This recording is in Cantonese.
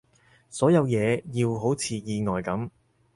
所有嘢要好似意外噉